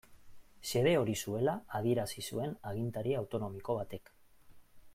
Xede hori zuela adierazi zuen agintari autonomiko batek.